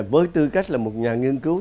với tư cách là một nhà nghiên cứu